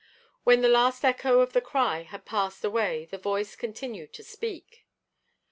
When the last echo of the cry had passed away the Voice continued to speak.